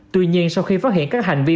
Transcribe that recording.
tuy nhiên sau khi phát hiện các hành vi